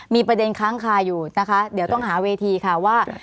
มีประเด็นค้างคาอยู่นะคะเดี๋ยวต้องหาเวทีค่ะว่า